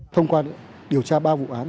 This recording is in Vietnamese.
thông quan điều tra ba vụ án